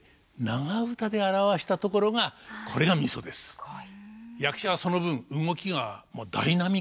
すごい。